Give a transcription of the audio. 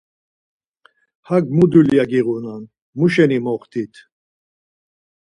Hak mu dulya giğunan, muşeni moxtit?